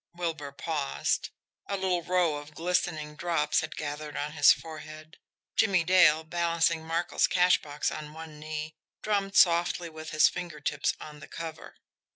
Wilbur paused. A little row of glistening drops had gathered on his forehead. Jimmie Dale, balancing Markel's cash box on one knee, drummed softly with his finger tips on the cover.